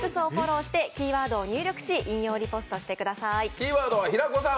キーワードは平子さん